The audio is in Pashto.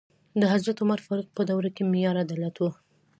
د حضرت عمر فاروق په دوره کې معیار عدالت و.